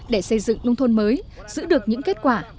để xây dựng nông thôn mới giữ được những kết quả